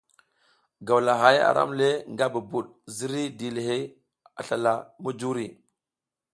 Gawlahay aram le nga bubud ziriy dilihey a slala mujuri.